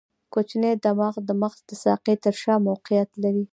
کوچنی دماغ د مغز د ساقې تر شا موقعیت لري.